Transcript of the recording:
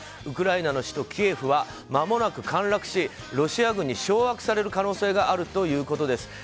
ウクライナの首都キエフはまもなく陥落しロシア軍に掌握される可能性があるということです。